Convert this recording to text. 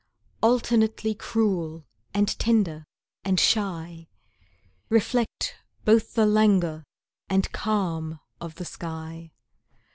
Alternately cruel, and tender, and shy, Reflect both the languor and calm of the sky.